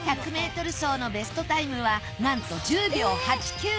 １００ｍ走のベストタイムはなんと１０秒８９。